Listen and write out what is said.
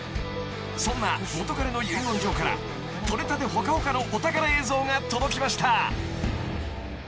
［そんな『元彼の遺言状』から撮れたてほかほかのお宝映像が届きました］